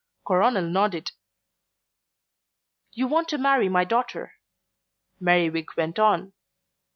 Coronel nodded. "You want to marry my daughter," Merriwig went on.